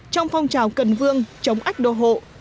trong phong trào cần vương chống ách đô hộ